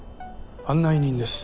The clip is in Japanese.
案内人です。